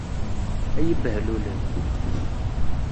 Ay ibehlulen!